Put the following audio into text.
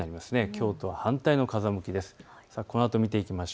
きょうと反対の風向きです。